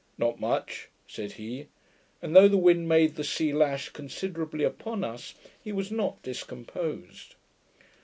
'Not much,' said he; and though the wind made the sea lash considerably upon us, he was not discomposed.